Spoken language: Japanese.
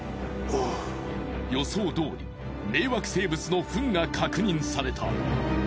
予想どおり迷惑生物のフンが確認された。